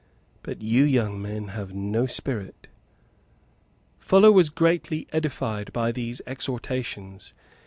But you young men have no spirit." Fuller was greatly edified by these exhortations.